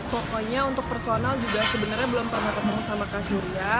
pokoknya untuk personal juga sebenarnya belum pernah ketemu sama kak surya